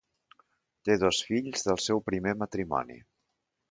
Té dos fills del seu primer matrimoni.